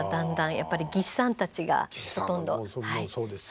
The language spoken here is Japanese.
やっぱり技師さんたちがほとんど。